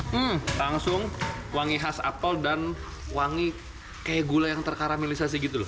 hmm langsung wangi khas apel dan wangi kayak gula yang terkaramilisasi gitu loh